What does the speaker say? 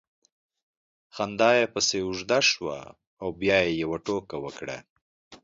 خندا یې پسې اوږده سوه او بیا یې یوه ټوکه وکړه